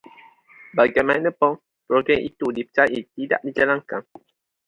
Bagaimanapun, program itu dipercayai tidak dijalankan